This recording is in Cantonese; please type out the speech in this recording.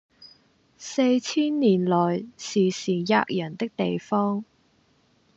四千年來時時喫人的地方，